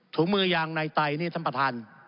ถุงมือยางในไตนี่ท่านประธาน